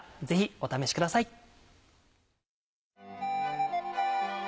ぜひお試しください。